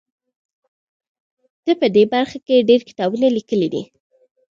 ده په دې برخه کې ډیر کتابونه لیکلي دي.